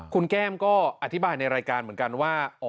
คุณแก้มก็อธิบายในรายการเหมือนกันว่า